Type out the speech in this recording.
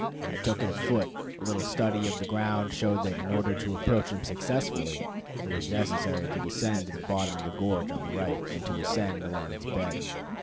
I took it afoot. A little study of the ground showed that in order to approach him successfully, it was necessary to descend to the bottom of the gorge on the right, and to ascend along its bed.